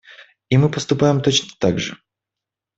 И мы поступаем точно так же.